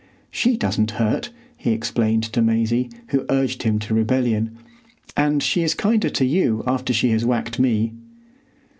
"She doesn't hurt," he explained to Maisie, who urged him to rebellion, "and she is kinder to you after she has whacked me."